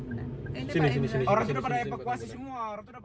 orang itu sudah pada epekuasi semua